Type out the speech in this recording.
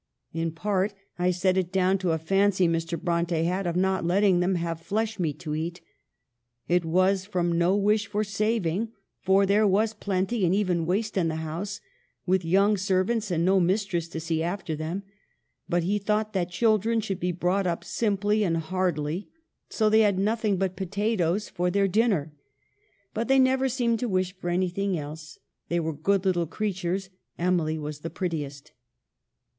In part, I set it down to a fancy Mr. Bronte had of not letting them have flesh meat to eat. It was from no wish for sa'ving, for there was plenty and even waste in the house, with young servants and no mis tress to see after them ; but he thought that children should be brought up simply and hard ily : so they had nothing but potatoes for their 30 EMILY BRONTE. dinner ; but they never seemed to wish for any thing else. They were good little creatures. Emily was the prettiest."